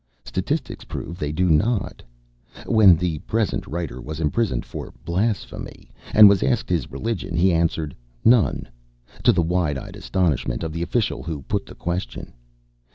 Statistics prove they do not. When the present writer was imprisoned for "blasphemy," and was asked his religion, he answered "None," to the wide eyed astonishment of the official who put the question.